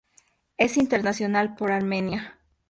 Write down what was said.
Es internacional por Armenia.